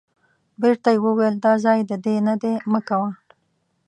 بیرته یې وویل دا ځای د دې نه دی مه کوه.